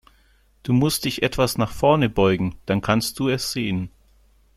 Du musst dich etwas nach vorn beugen, dann kannst du es sehen.